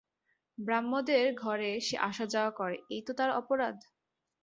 ব্রাহ্মদের ঘরে সে আসা-যাওয়া করে এই তো তার অপরাধ?